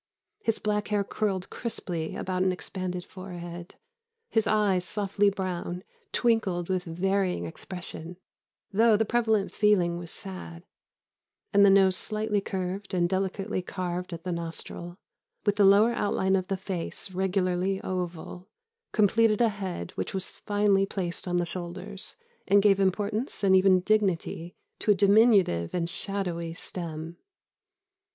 His black hair curled crisply about an expanded forehead; his eyes, softly brown, twinkled with varying expression, though the prevalent feeling was sad; and the nose slightly curved, and delicately carved at the nostril, with the lower outline of the face regularly oval, completed a head which was finely placed on the shoulders, and gave importance and even dignity to a diminutive and shadowy stem.